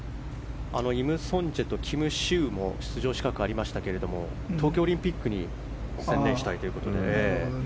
イム・ソンチェとキム・シウも出場資格がありましたが東京オリンピックに専念したいということで。